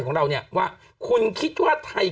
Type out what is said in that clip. ของเราเนี่ยว่าคุณคิดว่าไทย